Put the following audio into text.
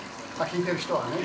聞いてる人はね。